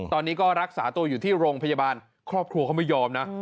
ตอนนี้ก็รักษาตัวอยู่ที่โรงพยาบาลครอบครัวเขาไม่ยอมนะ